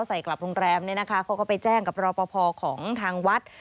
กลับโรงแรมเนี่ยนะคะเขาก็ไปแจ้งกับรอปภของทางวัด